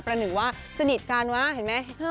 หนึ่งว่าสนิทกันวะเห็นไหม